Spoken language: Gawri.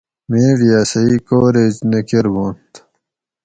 میڈیا صحیح کوریج نہ کربانت